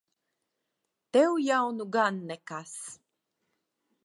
Tev jau nu gan nekas!